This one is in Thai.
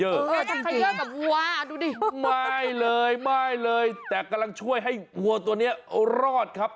จะเขย่อกับวัวดูดิไม่เลยไม่เลยแต่กำลังช่วยให้วัวตัวนี้รอดครับ